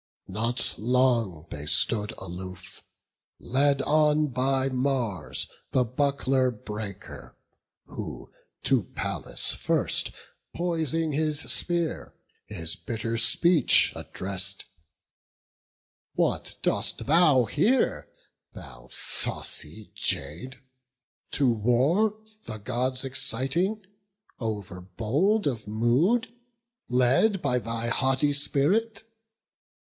Not long they stood aloof, led on by Mars The buckler breaker, who to Pallas first, Poising his spear, his bitter speech address'd: "What dost thou here, thou saucy jade, to war The Gods exciting, overbold of mood, Led by thy haughty spirit?